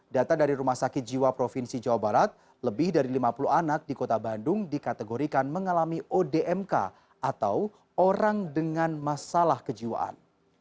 data dari rumah sakit jiwa provinsi jawa barat lebih dari lima puluh anak di kota bandung dikategorikan mengalami odmk atau orang dengan masalah kejiwaan